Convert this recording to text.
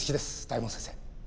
大門先生。